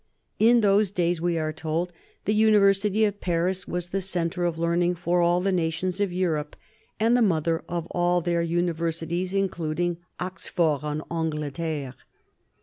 In those days, we are told, the University of Paris was the centre of learning for all the nations of Europe and the mother of all their universities, including " Oxfort en Angleterre."